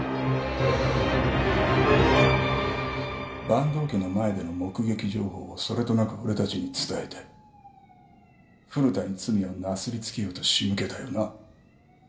坂東家の前での目撃情報をそれとなく俺たちに伝えて古田に罪をなすり付けようと仕向けたよな？